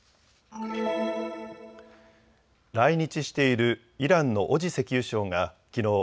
来日しているイランのオジ石油相がきのう